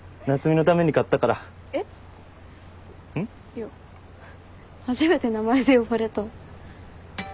いや初めて名前で呼ばれた。